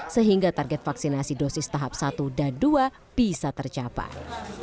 sehingga target vaksinasi dosis tahap satu dan dua bisa tercapai